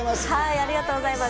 ありがとうございます。